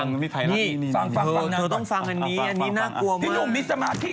นี่นี่นี่เธอต้องฟังอันนี้อันนี้น่ากลัวมาก